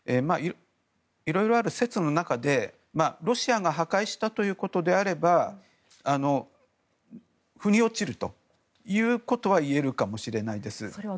いろいろある説の中で、ロシアが破壊したということであれば腑に落ちるということは言えるかもしれないです。